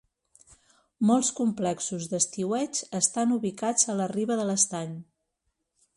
Molts complexos d'estiueig estan ubicats a la riba de l'estany.